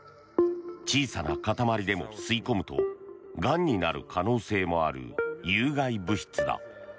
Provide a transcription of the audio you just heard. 小さな塊でも、吸い込むとがんになる可能性もある有害物質だ。